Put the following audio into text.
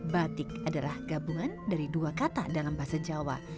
batik adalah gabungan dari dua kata dalam bahasa jawa